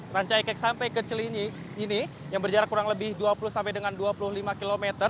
rancaikek sampai ke cilinyi ini yang berjarak kurang lebih dua puluh sampai dengan dua puluh lima km